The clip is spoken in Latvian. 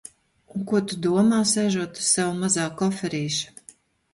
Un ko tu domā, sēžot uz sava mazā koferīša?